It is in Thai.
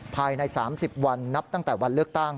ภายใน๓๐วันนับตั้งแต่วันเลือกตั้ง